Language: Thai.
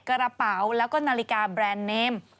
กระเป๋าแล้วก็นาฬิกาแบรนด์เนม